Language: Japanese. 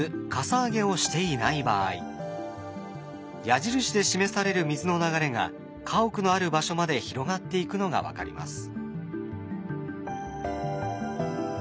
矢印で示される水の流れが家屋のある場所まで広がっていくのが分かります。